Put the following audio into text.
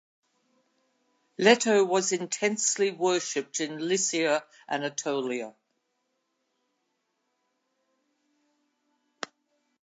Leto was intensely worshipped in Lycia, Anatolia.